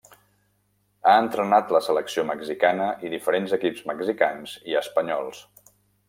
Ha entrenat la selecció mexicana i diferents equips mexicans i espanyols.